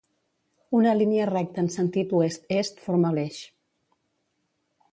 Una línia recta en sentit oest-est forma l'eix.